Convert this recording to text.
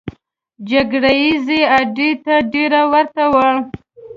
جګړه ییزې اډې ته ډېره ورته وه.